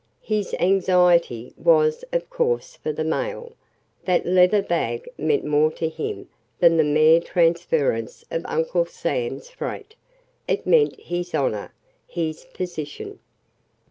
His anxiety was of course for the mail. That leather bag meant more to him than the mere transference of Uncle Sam's freight it meant his honor his position.